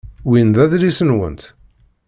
Win d adlis-nwent?